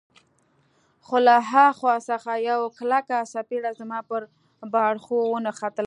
خو له ها خوا څخه یوه کلکه څپېړه زما پر باړخو ونښتله.